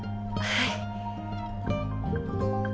はい。